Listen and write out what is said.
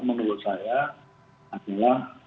menurut saya adalah